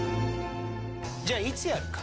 「じゃあいつやるか？